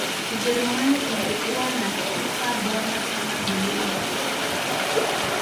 ujerumani ilikuwa na kipa bora sana golini